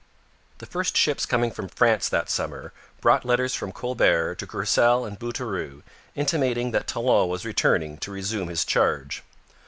The first ships coming from France that summer brought letters from Colbert to Courcelle and Bouteroue intimating that Talon was returning to resume his charge.